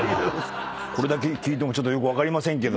これだけ聞いてもちょっとよく分かりません。